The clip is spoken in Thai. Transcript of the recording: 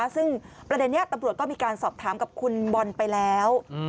ซึ่งประเด็นนี้ตำรวจก็มีการสอบถามกับคุณบอลไปแล้ว